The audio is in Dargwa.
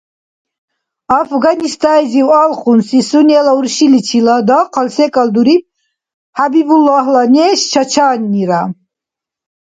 Афганистаннизив алхунси сунела уршиличила дахъал секӏал дуриб Хӏябибуллагьла неш Чачанира.